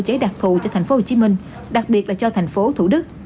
chế đặc thù cho thành phố hồ chí minh đặc biệt là cho thành phố thủ đức